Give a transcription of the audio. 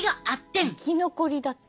生き残りだって。